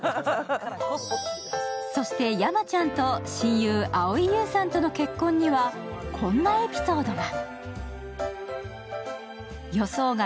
そして山ちゃんと親友、蒼井優さんとの結婚にはこんなエピソードが！